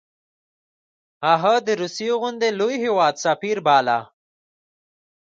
هغه د روسیې غوندې لوی هیواد سفیر باله.